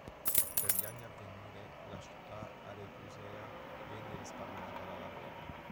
Per gli anni a venire la città aretusea venne risparmiata dalla guerra.